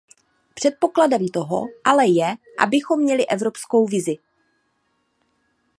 Předpokladem toho ale je, abychom měli evropskou vizi.